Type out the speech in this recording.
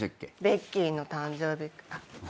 ベッキーの誕生日。